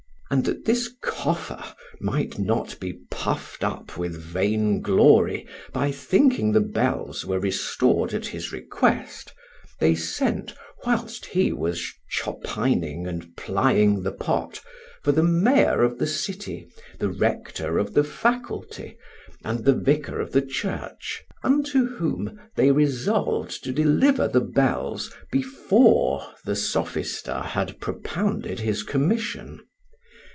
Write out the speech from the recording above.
And that this cougher might not be puffed up with vain glory by thinking the bells were restored at his request, they sent, whilst he was chopining and plying the pot, for the mayor of the city, the rector of the faculty, and the vicar of the church, unto whom they resolved to deliver the bells before the sophister had propounded his commission.